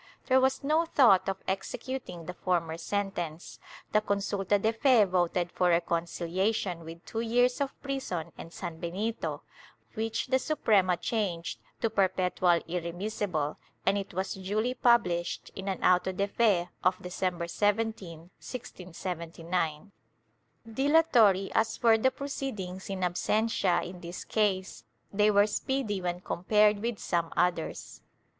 There was no thought of executing the former sentence ; the consulta de f e voted for reconciliation with two years of prison and sanbenito, which the Suprema changed to per petual irremissible, and it was duly published in an auto de fe of December 17, 1679.' Dilatory as were the proceedings in absentia in this case, they were speedy when compared with some others.